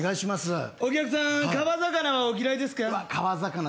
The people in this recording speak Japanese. お客さん川魚はお嫌いですか？